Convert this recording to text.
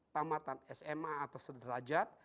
tamatan sma atau sederajat